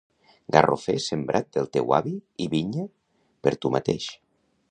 Garrofer sembrat del teu avi i vinya per tu mateix.